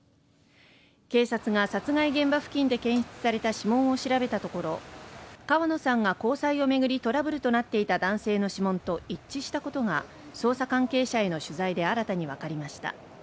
警察が殺害現場付近で検出された指紋を調べたところ川野さんが交際を巡りトラブルとなっていた男性の指紋と一致したことが捜査関係者への取材で新たに分かりました